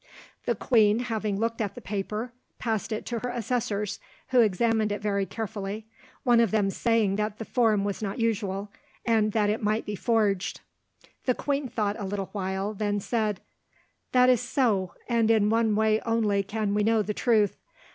The queen, having looked at the paper, passed it to her assessors, who examined it very carefully, one of them saying that the form was not usual, and that it might be forged. The queen thought a little while, then said: "That is so, and in one way only can we know the truth.